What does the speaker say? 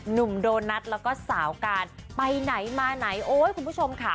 หนุ่มโดนัทแล้วก็สาวการไปไหนมาไหนโอ๊ยคุณผู้ชมค่ะ